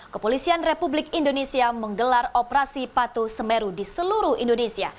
kepolisian republik indonesia menggelar operasi patuh semeru di seluruh indonesia